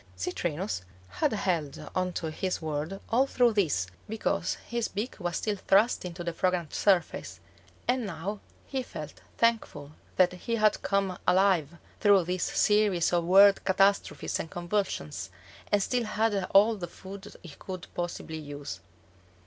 Citrinus had held on to his world all through this, because his beak was still thrust into the fragrant surface, and now he felt thankful that he had come alive through these series of world catastrophes and convulsions and still had all the food he could possibly use.